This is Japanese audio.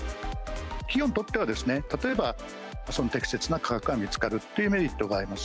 企業にとっては、例えば、適切な価格が見つかるっていうメリットがあります。